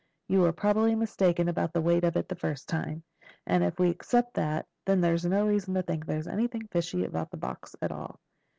You were probably mistaken about the weight of it the first time, and if we accept that, then there's no reason to think there's anything fishy about the box at all."